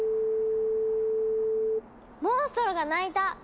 モンストロが鳴いた！